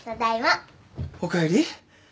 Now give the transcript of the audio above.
おかえり。